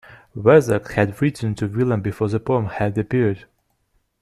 Vazakas had written to Williams before the poem had appeared.